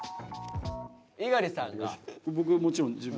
猪狩さんが自分。